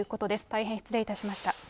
大変失礼いたしました。